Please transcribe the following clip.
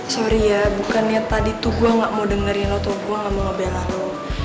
sorry ya bukannya tadi tuh gue gak mau dengerin lo tau gue gak mau ngebelah lo